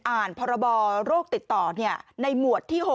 พรบโรคติดต่อในหมวดที่๖